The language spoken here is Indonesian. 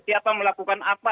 siapa melakukan apa